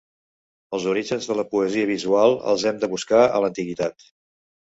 Els orígens de la Poesia Visual els hem de buscar en l'antiguitat.